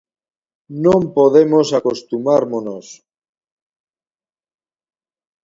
Non podemos acostumármonos.